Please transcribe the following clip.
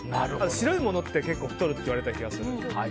白いものって結構太るって言われてる気がする。